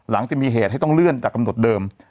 จะมีเหตุให้ต้องเลื่อนจากกำหนดเดิม